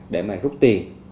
để mà rút tiền